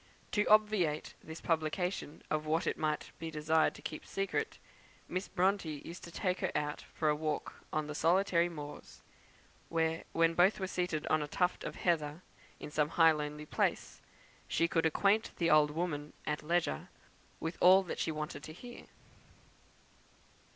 To obviate this publication of what it might be desirable to keep secret, Miss Bronte used to take her out for a walk on the solitary moors; where, when both were seated on a tuft of heather, in some high lonely place, she could acquaint the old woman, at leisure, with all that she wanted to hear.